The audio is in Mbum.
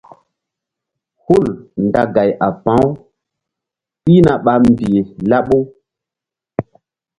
Hul nda gay a pa̧-u pihna ɓa mbih laɓu.